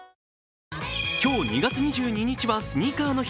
今日２月２２日はスニーカーの日。